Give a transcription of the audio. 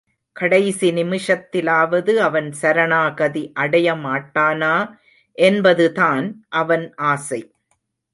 கடைசி நிமிஷத்திலாவது அவன் சரணாகதி அடைய மாட்டானா என்பதுதான் அவன் ஆசை.